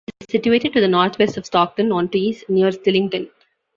It is situated to the north west of Stockton-on-Tees, near Stillington.